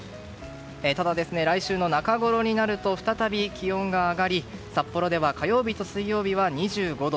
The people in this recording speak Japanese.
ただ来週の中ごろになると再び気温が上がり札幌では火曜日と水曜日は２５度。